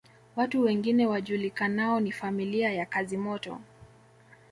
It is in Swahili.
Watu wengine wajulikanao ni familia ya Kazimoto